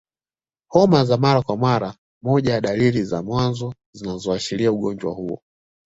Homa za mara kwa mara moja ya dalili za mwanzo zinazoashiria ugonjwa huo